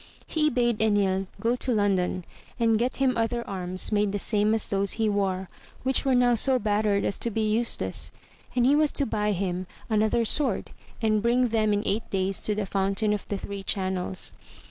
He bade Enil go to London, and get him other arms made the same as those he wore, which were now so battered as to be useless, and he was to buy him another sword, and bring them in eight days to the Fountain of the Three Channels.